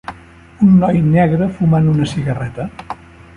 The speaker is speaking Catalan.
Un noi negre fumant una cigarreta